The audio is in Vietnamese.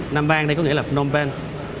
nam vàng đây có nghĩa là phnom penh